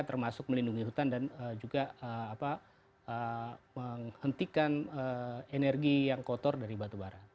termasuk melindungi hutan dan juga menghentikan energi yang kotor dari batubara